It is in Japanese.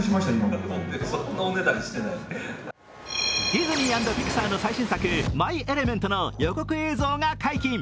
ディズニー＆ピクサーの最新作「マイ・エレメント」の予告映像が解禁。